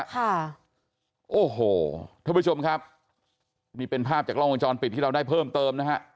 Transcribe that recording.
ค่ะโอ้โหท่านผู้ชมครับนี่เป็นภาพจากล้องวงจรปิดที่เราได้เพิ่มเติมนะฮะ